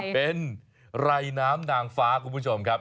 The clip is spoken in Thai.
เป็นไรน้ำนางฟ้าคุณผู้ชมครับ